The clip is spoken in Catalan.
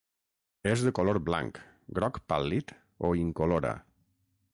És de color blanc, groc pàl·lid o incolora.